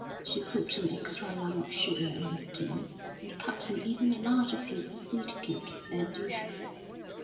She put an extra lump of sugar in his tea, and cut him even a larger piece of seed cake than usual.